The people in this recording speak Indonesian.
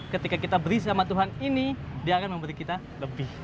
ketika kita beri sama tuhan ini dia akan memberi kita lebih